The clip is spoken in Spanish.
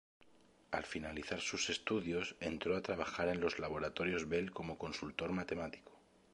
Al finalizar sus estudios entró a trabajar en los Laboratorios Bell como consultor matemático.